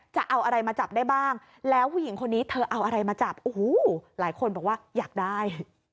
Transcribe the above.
จะเอาอะไรมาจับได้บ้างแล้วผู้หญิงคนนี้เธอเอาอะไรมาจับโอ้โหหลายคนบอกว่าอยากได้